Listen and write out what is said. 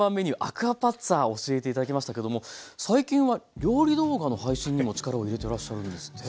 アクアパッツァ教えて頂きましたけども最近は料理動画の配信にも力を入れてらっしゃるんですって？